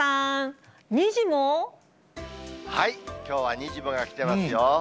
木原さん、きょうはにじモが来てますよ。